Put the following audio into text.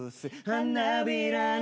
「花びらの」